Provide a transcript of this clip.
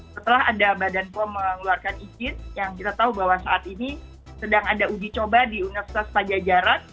setelah ada badan pom mengeluarkan izin yang kita tahu bahwa saat ini sedang ada uji coba di universitas pajajaran